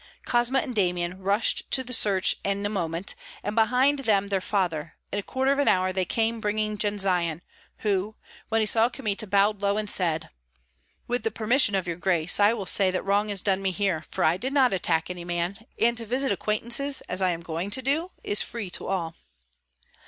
Kosma and Damian rushed to the search in a moment, and behind them their father; in a quarter of an hour they came bringing Jendzian, who, when he saw Kmita, bowed low and said, "With the permission of your grace, I will say that wrong is done me here, for I did not attack any man, and to visit acquaintances, as I am going to do, is free to all."